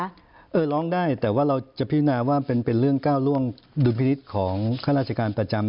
ร้องได้แต่ว่าเราจะพินาว่าเป็นเรื่องก้าวล่วงดุลพินิษฐ์ของข้าราชการประจำ